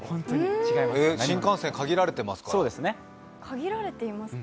新幹線、限られてますからね。